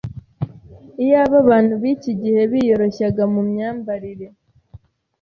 Iyaba abantu b’iki gihe biyoroshyaga mu myambarire,